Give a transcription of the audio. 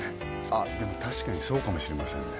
あっでも確かにそうかもしれませんね